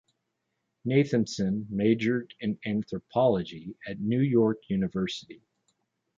Nathanson majored in anthropology at New York University.